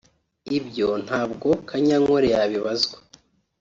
ibyo ntabwo Kanyankole yabibazwa